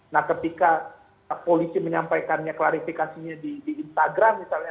nah ketika polisi menyampaikannya klarifikasinya di instagram misalnya